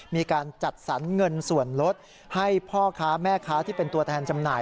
มีการจัดสรรเงินส่วนลดให้พ่อค้าแม่ค้าที่เป็นตัวแทนจำหน่าย